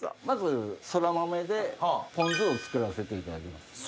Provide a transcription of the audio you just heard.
まずそらまめでポン酢を作らせていただきます。